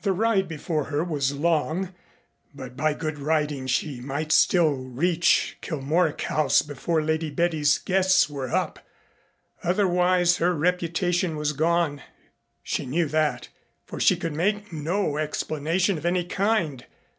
The ride before her was long, but by good riding she might still reach Kilmorack House before Lady Betty's guests were up. Otherwise her reputation was gone. She knew that, for she could make no explanation of any kind.